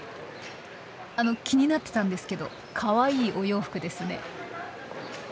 あの気になってたんですけどかわいいお洋服ですね。